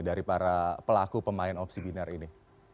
dari para pelaku pemain opsi binar ini